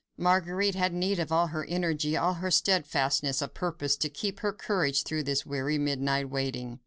Marguerite had need of all her energy, all her steadfastness of purpose, to keep up her courage through this weary midnight waiting.